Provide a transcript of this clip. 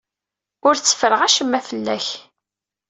Ur tteffreɣ acemma fell-ak.